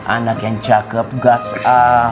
anak yang cakep gasah